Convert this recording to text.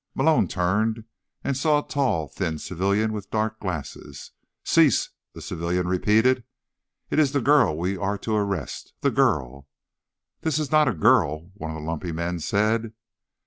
Malone turned, and saw a tall, thin civilian with dark glasses. "Cease," the civilian repeated. "It is the girl we are to arrest! The girl!" "This is not a girl," one of the lumpy men said.